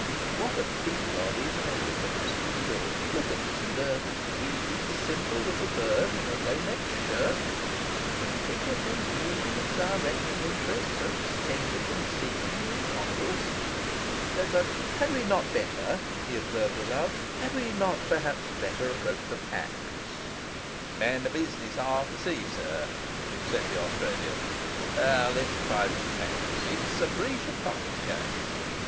'What a people are these Americans!' he thought. 'Look at this nervous, weedy, simple little bird in a lownecked shirt, and think of him wielding and directing interests so extended and seemingly incongruous! 'But had we not better,' he observed aloud, 'had we not perhaps better approach the facts?' 'Man of business, I perceive, sir!' said the Australian. 'Let's approach the facts. It's a breach of promise case.